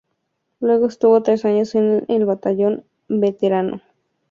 Luego estuvo tres años en el Batallón Veterano Príncipe Fernando.